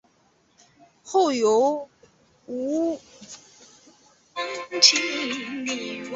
后由吴棐彝接任。